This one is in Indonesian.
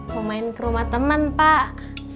mau main ke rumah teman pak